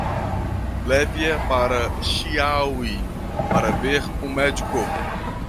Leve-a para Chiayi para ver um médico.